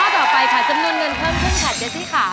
ต่อไปค่ะจำนวนเงินเพิ่มขึ้นค่ะเจซี่ค่ะ